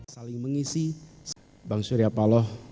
saling mengisi bang surya paloh